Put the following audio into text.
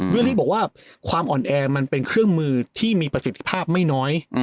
อรี่บอกว่าความอ่อนแอมันเป็นเครื่องมือที่มีประสิทธิภาพไม่น้อย